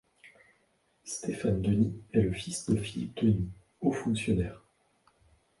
Stéphane Denis est le fils de Philippe Denis, haut fonctionnaire.